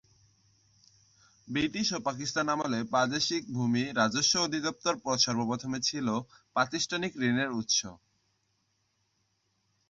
British ও পাকিস্তান আমলে প্রাদেশিক ভূমি রাজস্ব অধিদপ্তর সর্বপ্রথমে ছিল প্রাতিষ্ঠানিক ঋণের উৎস্য।